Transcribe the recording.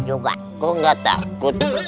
juga gua gak takut